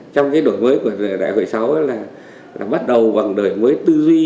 trong cái đổ mới của đại hội sáu là bắt đầu bằng đổ mới tư duy